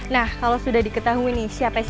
nah kalau sudah diketahui nih siapa yang diketahui